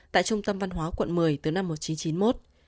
tại trung tâm văn hóa quận một mươi từ năm một nghìn chín trăm chín mươi một